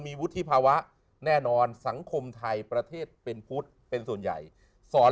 มีวุฒิภาวะแน่นอนสังคมไทยประเทศเป็นพุทธเป็นส่วนใหญ่สอน